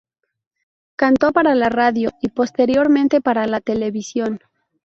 Cantó para la radio y, posteriormente, para la televisión.